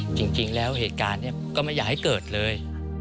จริงแล้วเหตุการณ์นี้ก็ไม่อยากให้เกิดเลย